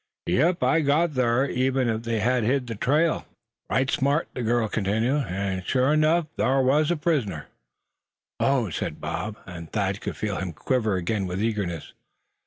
"Yep, I gut thar, even if they had hid the trail right smart," the girl continued, "an' sure 'nuff, thar war a prisoner!" "Oh!" said Bob, and Thad could feel him quiver again with eagerness.